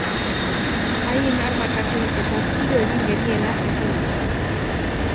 Haien armak hartu eta tiro egin geniela esan dute.